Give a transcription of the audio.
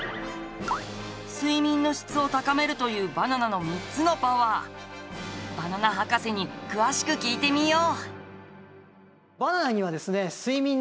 睡眠の質を高めるというバナナの３つのパワーバナナ博士に詳しく聞いてみよう。